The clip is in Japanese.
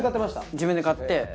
自分で買って。